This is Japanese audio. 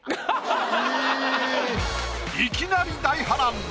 いきなり大波乱！